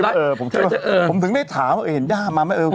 เออผมถึงได้ถามว่าเห็นย่ามา